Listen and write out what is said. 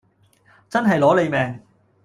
真係攞你命